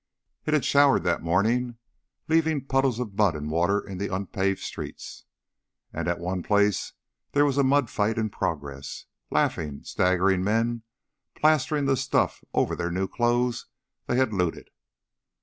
It had showered that morning, leaving puddles of mud and water in the unpaved streets. And at one place there was a mud fight in progress laughing, staggering men plastering the stuff over the new clothes they had looted.